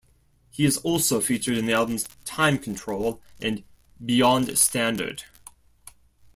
He is also featured in the albums "Time Control" and "Beyond Standard".